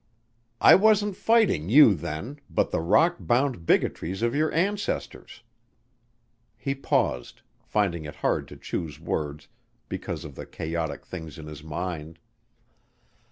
I wasn't fighting you then but the rock bound bigotries of your ancestors." He paused, finding it hard to choose words because of the chaotic things in his mind.